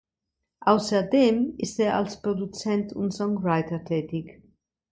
Außerdem ist er als Produzent und Songwriter tätig.